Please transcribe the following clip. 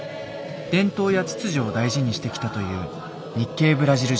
伝統や秩序を大事にしてきたという日系ブラジル人。